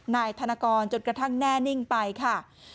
นายธนกรจนกระทั่งแน่นิ่งไปค่ะ